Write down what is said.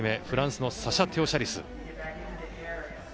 フランスのサシャ・テオシャリス。